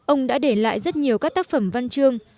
ông đã để lại rất nhiều các tác phẩm văn chương